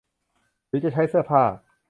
หรือจะใช้เสื้อผ้า